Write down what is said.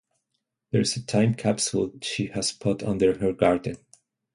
There's a time capsule she has put under her garden.